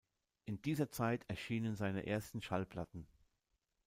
In dieser Zeit erschienen seine ersten Schallplatten.